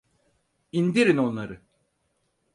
İndirin onları!